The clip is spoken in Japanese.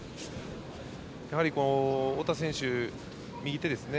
やはり太田選手の右手ですね。